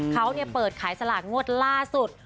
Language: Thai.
เขาเปิดขายสลากงวดล่าสุด